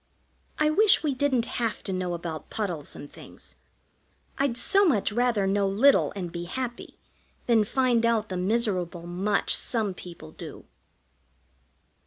I wish we didn't have to know about puddles and things! I'd so much rather know little and be happy than find out the miserable much some people do.